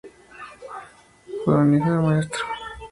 Fue hijo de un maestro.